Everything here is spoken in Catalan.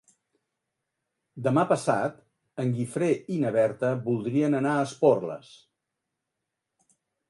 Demà passat en Guifré i na Berta voldrien anar a Esporles.